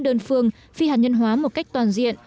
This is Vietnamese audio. đơn phương phi hạt nhân hóa một cách toàn diện